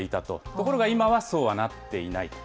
ところが今はそうはなっていないと。